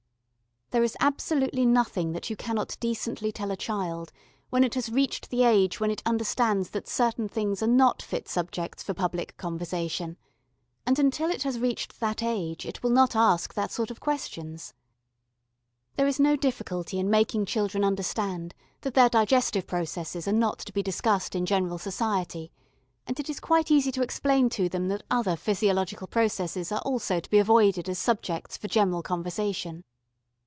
There is absolutely nothing that you cannot decently tell a child when it has reached the age when it understands that certain things are not fit subjects for public conversation and until it has reached that age it will not ask that sort of questions. There is no difficulty in making children understand that their digestive processes are not to be discussed in general society, and it is quite easy to explain to them that other physiological processes are also to be avoided as subjects for general conversation.